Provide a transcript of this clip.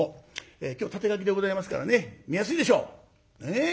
今日縦書きでございますからね見やすいでしょう！ねえ？